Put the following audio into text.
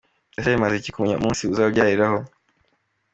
Ese bimaze iki kumenya umunsi uzabyariraho?.